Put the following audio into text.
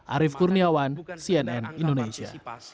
arief kurniawan cnn indonesia